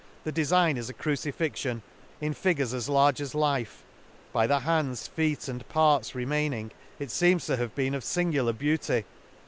— i The defign is a crucifixion, in figures as large as life ; by the hands, feet, and parts remaining, it feems to have been of fingular beauty.